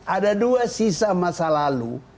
ada dua sisa masa lalu